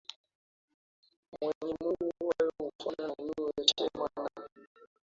Mwenye nuru nk Hayo hufanana na neno la Nuru ya Bwana rehema na